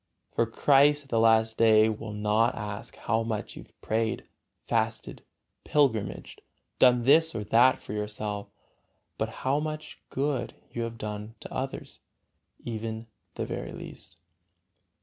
For Christ at the last day will not ask how much you have prayed, fasted, pilgrimaged, done this or that for yourself, but how much good you have done to others, even the very least.